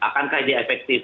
akankah dia efektif